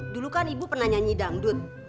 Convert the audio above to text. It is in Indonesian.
dulu kan ibu pernah nyanyi dangdut